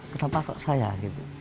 kenapa kok saya gitu